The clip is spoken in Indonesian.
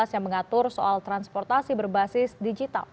yang mengatur soal transportasi berbasis digital